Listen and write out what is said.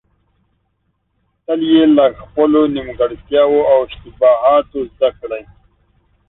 تل يې له خپلو نيمګړتياوو او اشتباهاتو زده کړئ.